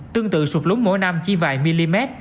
tương tự sụp lúng mỗi năm chi vài mm